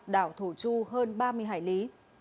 đảo thổ chu hơn ba mươi hải lý